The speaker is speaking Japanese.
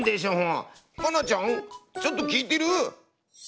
愛菜ちゃん？ちょっと聞いてる？